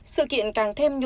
sự kiện càng thêm nhuộn nhịp